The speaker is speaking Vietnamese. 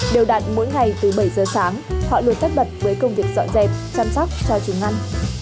đều đặn mỗi ngày từ bảy giờ sáng họ luôn tất bật với công việc dọn dẹp chăm sóc cho chúng ăn